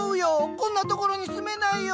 こんなところに住めないよ！